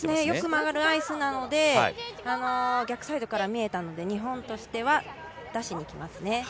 よく曲がるアイスなので、逆サイドから見えたので日本としては、出しにきますね。